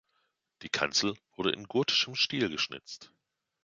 Die Kanzel wurde in gotischem Stil geschnitzt.